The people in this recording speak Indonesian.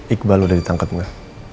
iqbal udah ditangkat mu gak